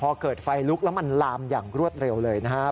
พอเกิดไฟลุกแล้วมันลามอย่างรวดเร็วเลยนะครับ